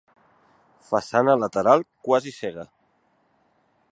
Façana lateral quasi cega.